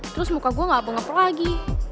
terus muka gue gak mau ngepro lagi